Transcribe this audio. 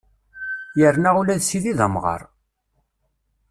Yerna ula d Sidi d amɣar!